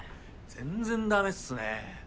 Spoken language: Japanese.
全然ダメっすね。